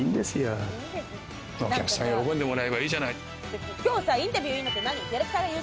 お客さんに喜んでもらえればいいじゃない。